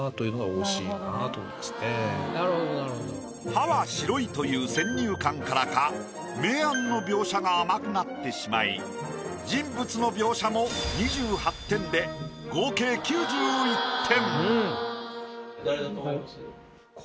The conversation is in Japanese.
歯は白いという先入観からか明暗の描写が甘くなってしまい人物の描写も２８点で合計９１点。